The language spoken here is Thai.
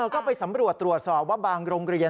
ก็ไปสำรวจตรวจสอบว่าบางโรงเรียน